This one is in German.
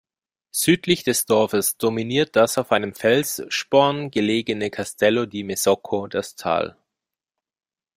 Südlich des Dorfes dominiert das auf einem Felssporn gelegene Castello di Mesocco das Tal.